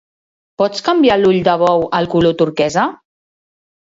Pots canviar l'ull de bou al color turquesa?